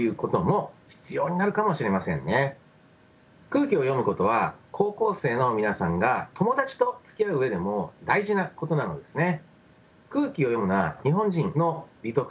空気を読むことは高校生の皆さんが友達とつきあう上でも大事なことなのですね。